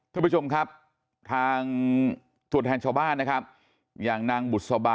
ทุกผู้ชมทางทวดแทนชาวบ้านนะครับ